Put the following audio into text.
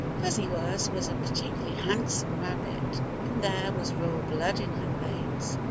Fuzzy Wuzz was a par ticularly handsome rabbit, and there was royal blood in her veins.